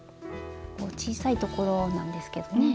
小さいところなんですけどね。